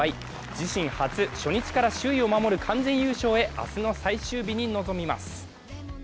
自身初、初日から首位を守る完全優勝へ、明日の最終日に臨みます。